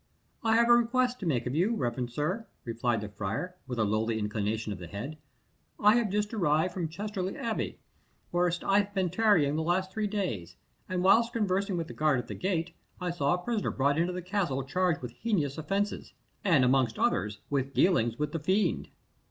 "I have a request to make of you, reverend sir," replied the friar, with a lowly inclination of the head. "I have just arrived from Chertsey Abbey, whither I have been tarrying for the last three days, and while conversing with the guard at the gate, I saw a prisoner brought into the castle charged with heinous offences, and amongst others, with dealings with the fiend."